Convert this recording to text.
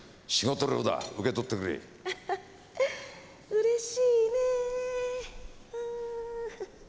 うれしいねえ。